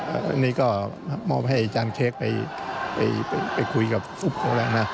อันนี้ก็มอบให้อาจารย์เค้กไปคุยกับเขาแล้วนะ